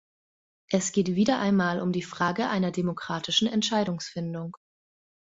Es geht wieder einmal um die Frage einer demokratischen Entscheidungsfindung.